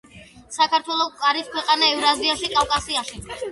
საქართველო არის ქვეყანა ევრაზიაში, კავკასიაში